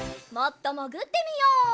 もっともぐってみよう。